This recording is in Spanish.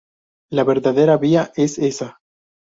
La verdadera vía es esa.